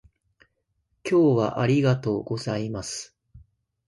今日はありがとうございます